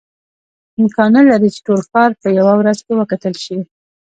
امکان نه لري چې ټول ښار په یوه ورځ کې وکتل شي.